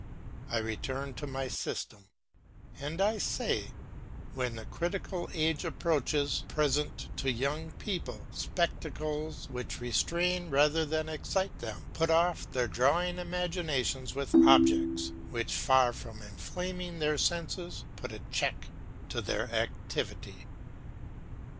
I return to my system, and I say, when the critical age approaches, present to young people spectacles which restrain rather than excite them; put off their dawning imagination with objects which, far from inflaming their senses, put a check to their activity.